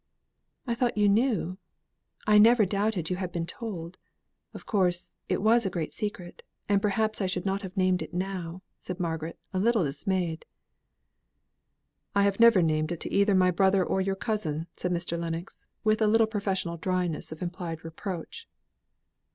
"I thought you knew. I never doubted you had been told. Of course, it was a great secret, and perhaps I should not have named it now," said Margaret, a little dismayed. "I have never named it to either my brother or your cousin," said Mr. Lennox, with a little professional dryness of implied reproach.